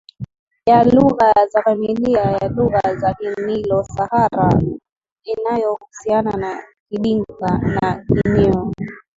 ya lugha za familia ya lugha za KiniloSahara inayohusiana na Kidinka na Kinuer